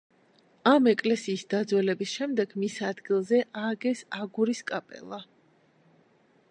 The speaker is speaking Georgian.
ამ ეკლესიის დაძველების შემდეგ მის ადგილზე ააგეს აგურის კაპელა.